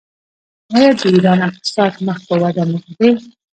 آیا د ایران اقتصاد مخ په وده نه دی؟